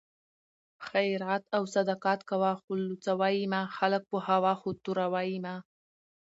خیرات او صدقات کوه خو لوڅوه یې مه؛ خلک پوهوه خو توروه یې مه